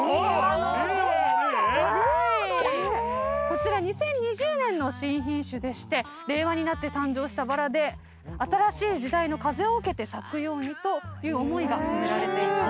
こちら２０２０年の新品種でして令和になって誕生したバラで新しい時代の風を受けて咲くようにという思いが込められています。